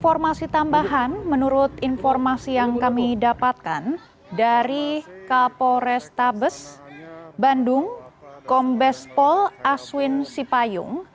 informasi tambahan menurut informasi yang kami dapatkan dari kapolres tabes bandung kombespol aswin sipayung